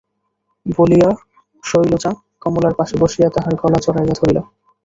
বলিয়া শৈলজা কমলার পাশে বসিয়া তাহার গলা জড়াইয়া ধরিল।